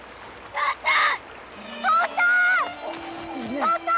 父ちゃん！